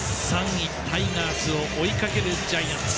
３位、タイガースを追いかけるジャイアンツ。